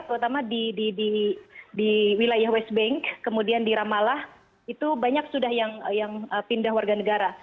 terutama di wilayah west bank kemudian di ramallah itu banyak sudah yang pindah warga negara